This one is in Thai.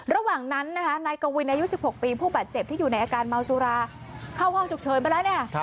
ระหว่างนั้นนะคะนายกวินอายุ๑๖ปีผู้บาดเจ็บที่อยู่ในอาการเมาสุราเข้าห้องฉุกเฉินไปแล้วเนี่ย